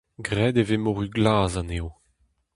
Graet e vez moru glas anezho.